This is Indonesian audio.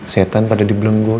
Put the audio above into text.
setan pada dibelenggol